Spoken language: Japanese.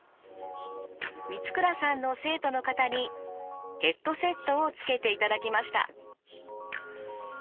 満倉さんの生徒の方にヘッドセットをつけていただきました。